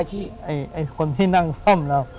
คนที่นั่งค่อมเรา